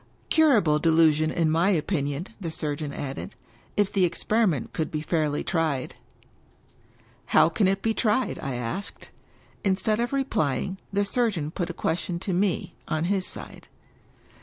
" Curable delusion, in my opinion," the surgeon added, " if the ex periment could be fairly tried." "How can it be tried?" I asked. Instead of replying, the surgeon put a question to me, on his side.